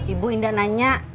ibu indah nanya